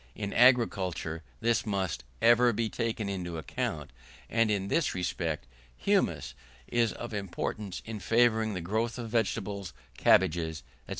In agriculture, this must ever be taken into account and in this respect humus is of importance in favouring the growth of vegetables, cabbages, &c.